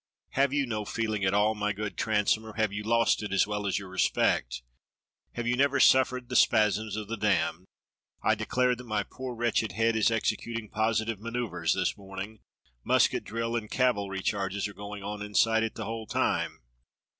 Have you no feeling at all, my good Tran some, or have you lost it as well as your respect? Have you never suffered the spasms of the damned? I de clare that my poor wretched head is executing positive manoeuvres this morning. Musket drill and cavalry charges are going on inside it the whole time.